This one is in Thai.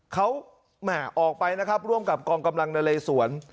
เขาออกไปนะครับร่วมกับกองกำลังนาเลสวน